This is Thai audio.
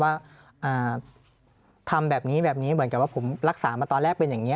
ว่าทำแบบนี้แบบนี้เหมือนกับว่าผมรักษามาตอนแรกเป็นอย่างนี้